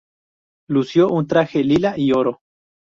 Lució un traje lila y oro.